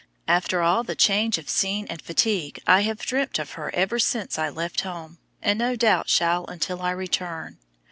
After all the change of scene and fatigue I have dreamt of her ever since I left home, and no doubt shall until I return.